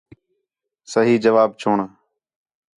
صحیح جواب چُݨ